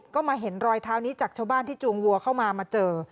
ก็มาเห็นรอยเท้านี้จากชาวบ้านที่จูงวัวเข้ามามาเจอ